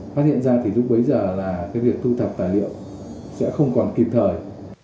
phát hiện ra thì lúc bấy giờ là cái việc thu thập tài liệu sẽ không còn kịp thời